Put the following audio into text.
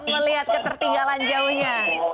melihat ketertinggalan jauhnya